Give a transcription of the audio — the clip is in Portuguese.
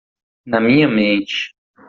Na minha mente